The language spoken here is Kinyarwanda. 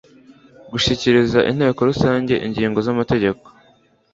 gushyikiriza inteko rusange ingingo z amategeko